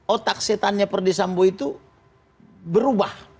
otak setannya perdisambo itu berubah